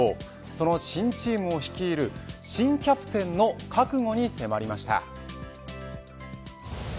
その新チームを率いる新キャプテンの覚悟に迫りました。